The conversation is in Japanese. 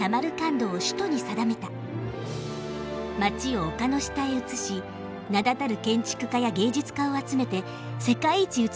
街を丘の下へ移し名だたる建築家や芸術家を集めて世界一美しい都をつくらせたの。